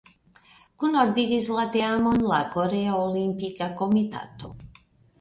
Kunordigis la teamon la Korea Olimpika Komitato.